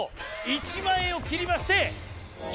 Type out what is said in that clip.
１万円を切りまして。